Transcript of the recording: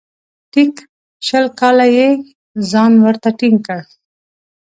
ټیک شل کاله یې ځان ورته ټینګ کړ .